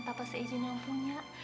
tanpa seijin yang punya